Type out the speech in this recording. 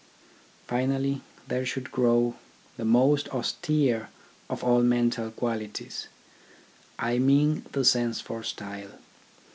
Finally, there should grow the most austere of all mental qualities ; I mean the sense for style.